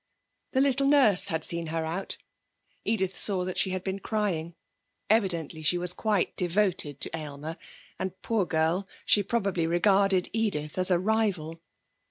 The little nurse had seen her out. Edith saw that she had been crying. Evidently she was quite devoted to Aylmer, and, poor girl, she probably regarded Edith as a rival.